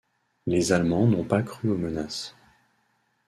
Les Allemands n’ont pas cru aux menaces.